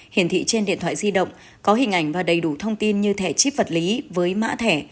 hiển thị trên điện thoại di động có hình ảnh và đầy đủ thông tin như thẻ chip vật lý với mã thẻ